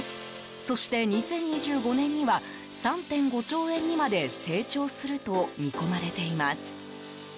そして２０２５年には３．５兆円にまで成長すると見込まれています。